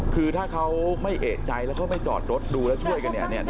คือถ้าเขาไม่เอกใจไม่จอดรถดูและช่วยกัน